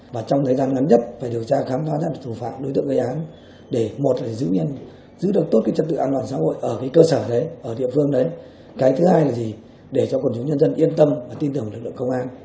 và trong thời gian ngắn nhất phải điều tra khám phá ra được thủ phạm đối tượng gây án để một là giữ được tốt cái trật tự an toàn xã hội ở cái cơ sở đấy ở địa phương đấy cái thứ hai là gì để cho quần chúng nhân dân yên tâm và tin tưởng lực lượng công an